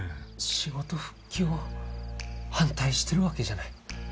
仕事復帰を反対してるわけじゃない。